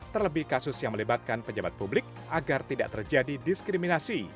terlebih kasus yang melibatkan pejabat publik agar tidak terjadi diskriminasi